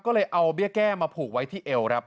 ก็เลยเอาเบี้ยแก้มาผูกไว้ที่เอวครับ